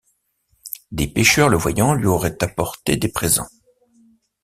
Des pêcheurs le voyant lui auraient apporté des présents.